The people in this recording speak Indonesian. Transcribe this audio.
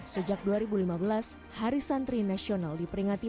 sejak dua ribu lima belas hari santri nasional diperingati